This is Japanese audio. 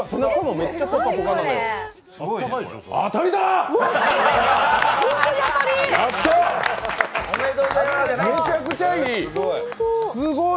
めちゃくちゃいい！